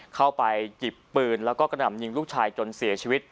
เข้าไปหยิบปืนแล้วก็กระหน่ำยิงลูกชายจนเสียชีวิต